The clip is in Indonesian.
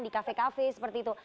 di kafe kafe seperti itu